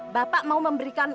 bapak mau memberikan uang